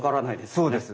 そうです。